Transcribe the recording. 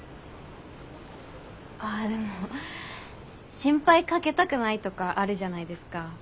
あでも心配かけたくないとかあるじゃないですか。